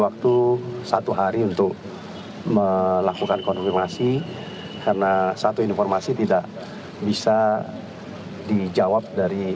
waktu satu hari untuk melakukan konfirmasi karena satu informasi tidak bisa dijawab dari